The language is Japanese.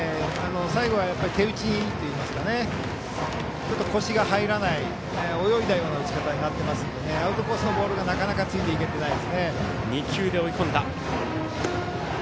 最後は手打ちといいますか腰が入らない、泳いだような打ち方になっていますのでアウトコースのボールがなかなかついていけてないです。